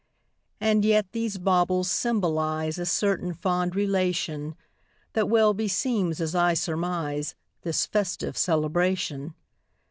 And yet these baubles symbolize A certain fond relation That well beseems, as I surmise, This festive celebration.